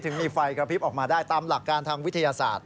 มีไฟกระพริบออกมาได้ตามหลักการทางวิทยาศาสตร์